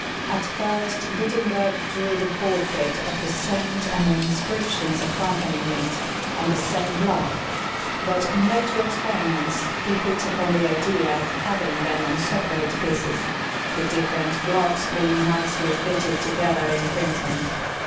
At first Gutenberg drew the portrait of the saint and the inscriptions accompanying it on the same block; but in later experiments he hit upon the idea of having them on separate pieces, the different blocks being nicely fitted together in printing.